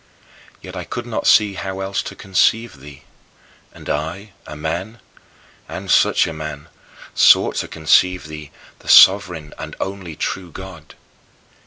Yet I could not see how else to conceive thee. And I, a man and such a man! sought to conceive thee, the sovereign and only true God.